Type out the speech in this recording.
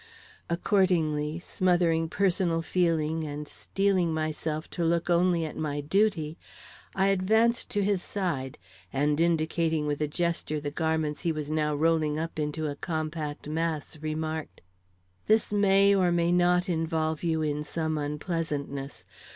Accordingly, smothering personal feeling and steeling myself to look only at my duty, I advanced to his side, and, indicating with a gesture the garments he was now rolling up into a compact mass, remarked: "This may or may not involve you in some unpleasantness.